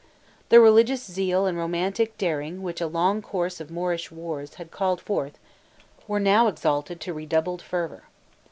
The religious zeal and romantic daring which a long course of Moorish wars had called forth were now exalted to redoubled fervor.